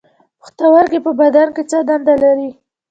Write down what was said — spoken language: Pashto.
پښتورګي په بدن کې څه دنده لري